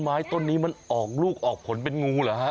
ไม้ต้นนี้มันออกลูกออกผลเป็นงูเหรอฮะ